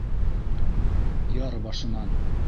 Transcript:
Яр башынан: